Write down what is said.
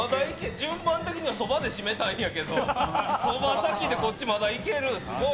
順番的にはそばで締めたいんやけど、そば先で、こっちまだいける、すごい。